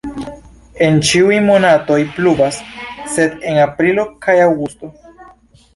En ĉiuj monatoj pluvas, sed en aprilo kaj aŭgusto.